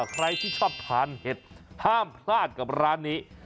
ใครที่ชอบทานเห็ดห้ามพลาดกับร้านนี้